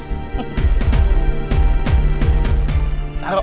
dia datang lagi aja itu